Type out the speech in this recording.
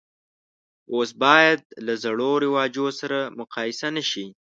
اوس باید له زړو رواجو سره مقایسه نه شي.